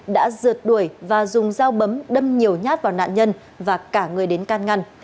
đã rượt đuổi và dùng dao bấm đâm nhiều nhát vào nạn nhân và cả người đến can ngăn